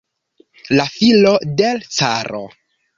La filo de l' caro?